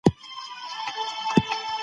ليکنې بايد د ځوانانو توجه جذب کړي.